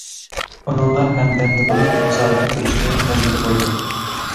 ئۇنىڭغا ھەمدەمدە بولۇپ، مۇسابىقە كۆرۈشكە مەجبۇر بولدۇم.